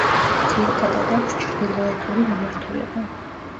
ძირითადად აქვს ჩრდილოეთური მიმართულება.